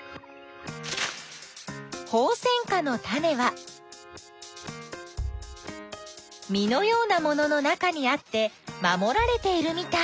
ホウセンカのタネは実のようなものの中にあって守られているみたい。